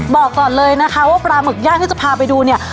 บอกก่อนเลยนะคะว่าปลาหมึกย่างที่จะพาไปดูเนี่ย